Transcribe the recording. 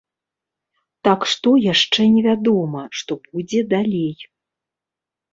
Так што яшчэ невядома, што будзе далей.